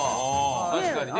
確かにね。